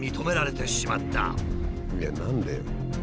いや何で。